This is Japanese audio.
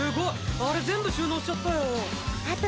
あれ全部収納しちゃったよ。